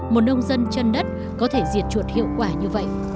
một nông dân chân đất có thể diệt chuột hiệu quả như vậy